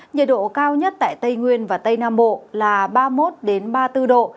nhiệt độ cao nhất tại tây nguyên và tây nam bộ là ba mươi một ba mươi bốn độ